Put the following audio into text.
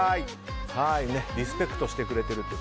リスペクトしてくれていると。